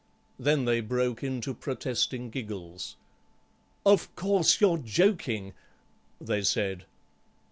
Then they broke into protesting giggles. "Of course, you're joking," they said.